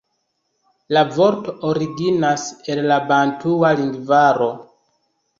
La vorto originas el la bantua lingvaro.